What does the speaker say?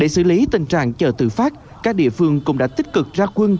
để xử lý tình trạng chợ tự phát các địa phương cũng đã tích cực ra quân